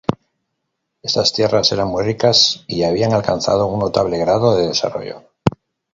Estas tierras eran muy ricas y habían alcanzado un notable grado de desarrollo.